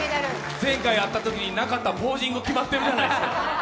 前回会ったときになかったポージング、決まったじゃないですか。